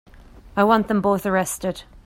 I want them both arrested.